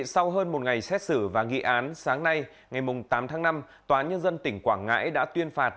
sau hơn một ngày xét xử và nghị án sáng nay ngày tám tháng năm tòa nhân dân tỉnh quảng ngãi đã tuyên phạt